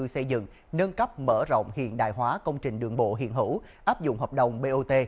xây dựng nâng cấp mở rộng hiện đại hóa công trình đường bộ hiện hữu áp dụng hợp đồng bot